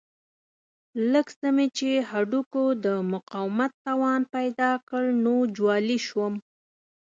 لږ څه مې چې هډوکو د مقاومت توان پیدا کړ نو جوالي شوم.